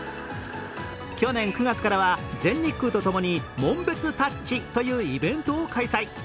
去年９月からは全日空とともに、紋別タッチというイベントを開催。